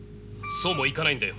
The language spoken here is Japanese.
そうもいかないんだよ。